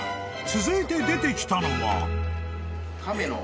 ［続いて出てきたのは］